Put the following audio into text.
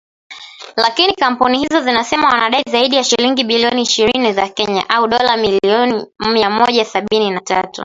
Lakini kampuni hizo zinasema wanadai zaidi ya shilingi bilioni ishirini za Kenya (dola milioni mia moja sabini na tatu )